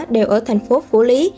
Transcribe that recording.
đều ở thành phố phủ lý